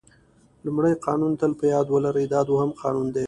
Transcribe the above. لومړی قانون تل په یاد ولرئ دا دوهم قانون دی.